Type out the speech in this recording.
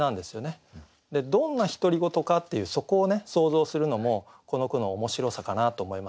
でどんな独り言かっていうそこをね想像するのもこの句の面白さかなと思いますね。